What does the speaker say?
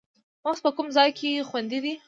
مغز په کوم ځای کې خوندي دی